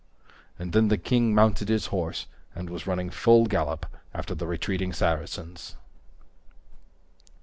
And then the king mounted his horse and was running full gallop after the retreating Saracens.